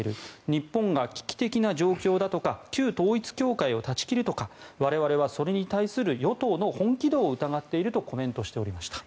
日本が危機的な状況だとか旧統一教会を断ち切るとか我々はそれに対する与党の本気度を疑っているとコメントしておりました。